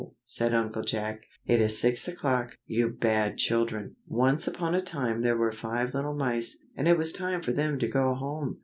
said Uncle Jack; "it is six o'clock, you bad children! Once upon a time there were five little mice, and it was time for them to go home.